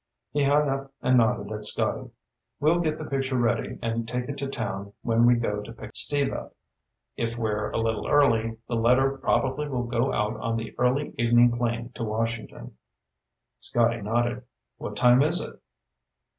He hung up and nodded at Scotty. "We'll get the picture ready, and take it to town when we go to pick Steve up. If we're a little early, the letter probably will go out on the early evening plane to Washington." Scotty nodded. "What time is it?"